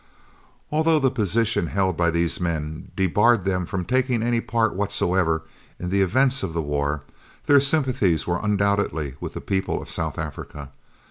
Although the position held by these men debarred them from taking any part whatsoever in the events of the war, their sympathies were undoubtedly with the people of South Africa.